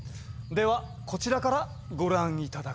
ではこちらからご覧頂こう。